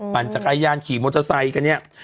ปั่นจักรยานขี่มอเตอร์ไซค์กันเนี่ย